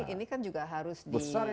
ini kan juga harus